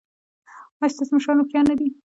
ایا ستاسو مشران هوښیار نه دي؟